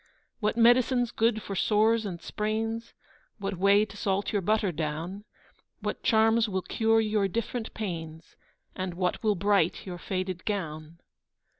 What medicine's good for sores and sprains, What way to salt your butter down, What charms will cure your different pains, And what will bright your faded gown.